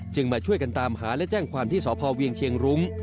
มาช่วยกันตามหาและแจ้งความที่สพเวียงเชียงรุ้ง